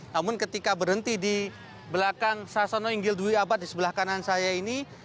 namun ketika berhenti di belakang sasono inggil dwi abad di sebelah kanan saya ini